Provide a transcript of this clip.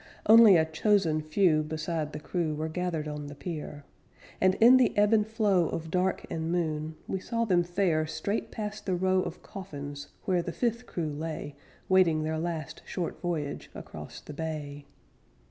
Only a chosen few Beside the crew Were gathered on the pier; And in the ebb and flow Of dark and moon, we saw them fare Straight past the row of coffins Where the fifth crew lay Waiting their last short voyage Across the bay.